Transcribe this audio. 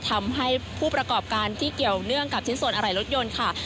ทำให้ผู้ประกอบการที่เกี่ยวเนื่องกับชิ้นส่วนอะไรรถยนต์ค่ะ